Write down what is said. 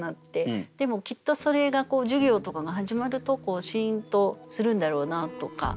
でもきっとそれが授業とかが始まるとシーンとするんだろうなとか。